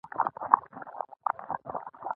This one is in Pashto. خو د هغوی کار هم خلاص دی، زموږ ټولو کار خلاص دی.